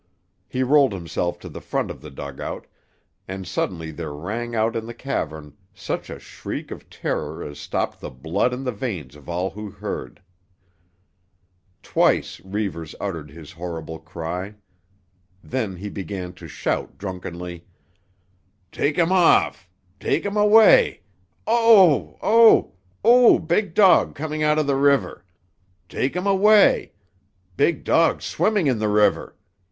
He rolled himself to the front of the dugout, and suddenly there rang out in the cavern such a shriek of terror as stopped the blood in the veins of all who heard. Twice Reivers uttered his horrible cry. Then he began to shout drunkenly: "Take him off, take him away! Oh, oh, oh! Big dog coming out of the river. Take him away. Big dog swimming in the river.